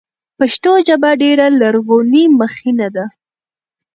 پښتو ژبه ډېره لرغونې مخینه لري.